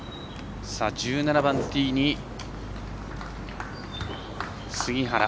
１７番ティーに杉原。